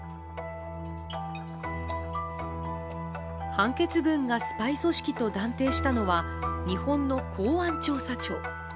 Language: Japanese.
判決文がスパイ組織と断定したのは日本の公安調査庁。